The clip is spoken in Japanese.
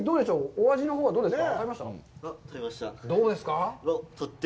お味のほうはどうですか？